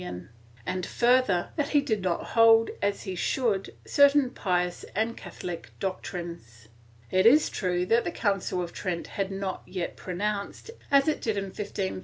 Ill 27 418 PROTESTANTISM [Book VIII and further, that he did not hold as he should, certain pious and Catholic doctrines. It is true that the Council of Trent had not yet pronounced, as it did in 1547 (Sess.